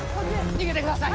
逃げてください！